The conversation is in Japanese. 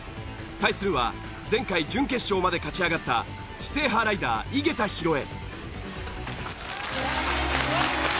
対するは前回準決勝まで勝ち上がった知性派ライダー井桁弘恵。